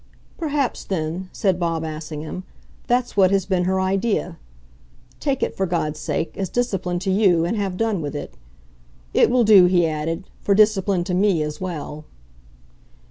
"Perhaps then," said Bob Assingham, "that's what has been her idea. Take it, for God's sake, as discipline to you and have done with it. It will do," he added, "for discipline to me as well."